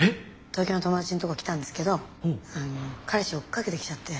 東京の友達のとこ来たんですけど彼氏追っかけてきちゃって。